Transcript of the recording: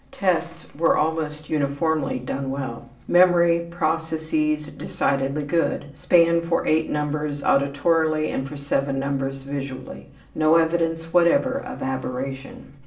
Tests were almost uniformly done well. Memory processes decidedly good span for eight numbers auditorily and for seven numbers visually. No evidence whatever of aberration.